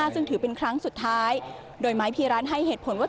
ซึ่งถือเป็นครั้งสุดท้ายโดยไม้พีรันให้เหตุผลว่า